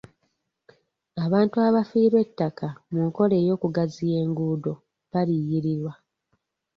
Abantu abafiirwa ettaka mu nkola ey'okugaziya enguudo baliyirirwa.